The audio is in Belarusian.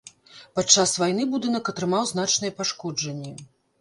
Падчас вайны будынак атрымаў значныя пашкоджанні.